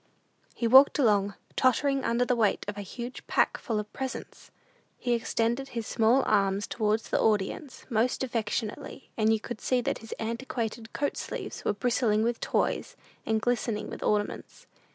He walked along, tottering under the weight of a huge pack full of presents. He extended his small arms towards the audience most affectionately, and you could see that his antiquated coat sleeves were bristling with toys and glistening with ornaments.